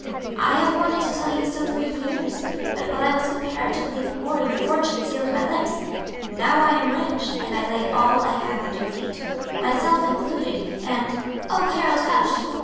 I have wanted to tell you so for years, but while I was comparatively poor your fortune sealed my lips. Now I am rich, and I lay all I have at your feet; myself included; and " "Oh, Harold, hush!"